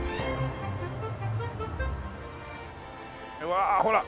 わあほら。